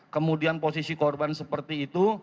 kemudian posisi korban seperti itu